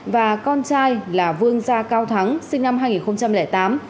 và con trai là vương gia cao thắng sinh năm hai nghìn tám